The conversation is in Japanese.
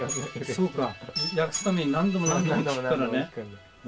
そうか訳すために何度も何度も聴くからね。